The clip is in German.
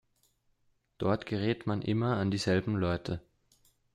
Dort gerät man immer an dieselben Leute.